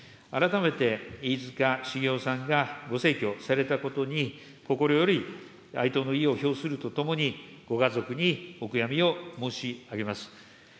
改めて、飯塚繁雄さんがご逝去されたことに、心より哀悼の意を表するとともに、ご家族にお悔やみを申し上げます。